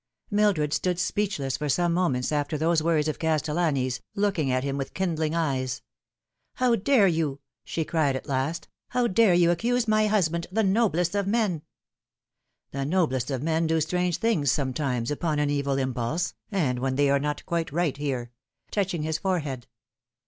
MILDRED stood speechless for some moments after those words of Castellani's, looking at him with kindling eyes. " How dare you ?" she cried at last. " How dare you accuse my husband the noblest of men ?"" The noblest of men do strange things sometimes upon an evil impulse, and when they are not quite right here," touching his forehead.